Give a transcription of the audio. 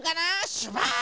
シュバーン！